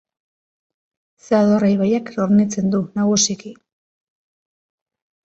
Zadorra ibaiak hornitzen du nagusiki.